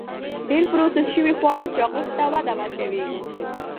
ډېر پروسس شوي خواړه چاغښت ته وده ورکوي.